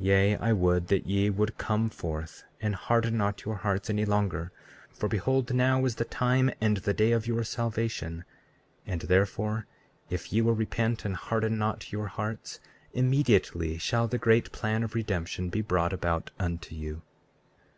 34:31 Yea, I would that ye would come forth and harden not your hearts any longer; for behold, now is the time and the day of your salvation; and therefore, if ye will repent and harden not your hearts, immediately shall the great plan of redemption be brought about unto you.